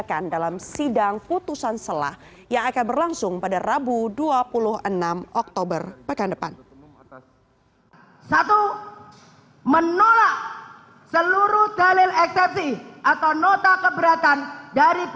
rejakan dalam sidang putusan selah yang akan berlangsung pada rabu dua puluh enam oktober